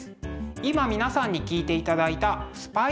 今皆さんに聴いていただいた「スパイゴッデス」。